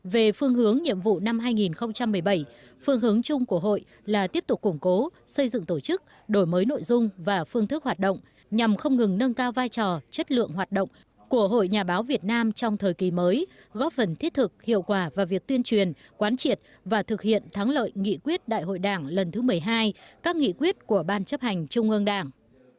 về phương hướng nhiệm vụ năm hai nghìn một mươi bảy phương hướng chung của hội là tiếp tục củng cố xây dựng tổ chức đổi mới nội dung và phương thức hoạt động nhằm không ngừng nâng cao vai trò chất lượng hoạt động của hội nhà báo việt nam trong thời kỳ mới góp phần thiết thực hiệu quả và việc tuyên truyền quán triệt và thực hiện thắng lợi nghị quyết đại hội đảng lần thứ một mươi hai các nghị quyết của ban chấp hành trung ương đảng